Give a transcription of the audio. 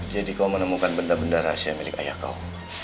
jadi kau menemukan benda benda rahasia milik ayah kau